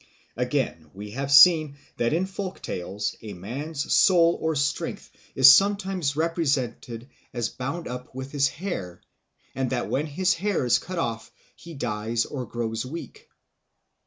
Again, we have seen that in folk tales a man's soul or strength is sometimes represented as bound up with his hair, and that when his hair is cut off he dies or grows weak.